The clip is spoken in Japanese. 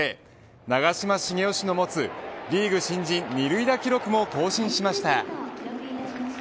長嶋茂雄氏の持つリーグ新人二塁打記録も更新しました。